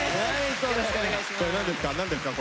それ何ですか？